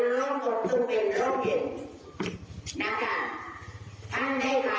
ร่องตกพรึงเป็นร่องศิลปีนนะคะ